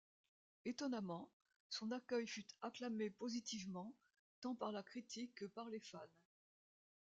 Étonnamment, son accueil fut acclamé positivement tant par la critique que par les fans.